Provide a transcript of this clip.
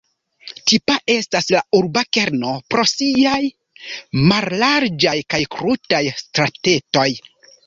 Tipa estas la urba kerno pro siaj mallarĝaj kaj krutaj stratetoj.